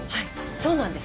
そうなんです。